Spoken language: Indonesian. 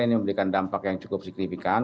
ini memberikan dampak yang cukup signifikan